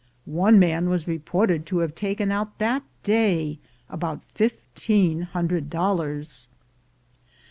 One man was reported to have taken out that day about fifteen hundred dollars.